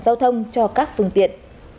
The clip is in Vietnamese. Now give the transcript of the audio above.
giao thông cho các phương tiện